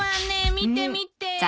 見て見て！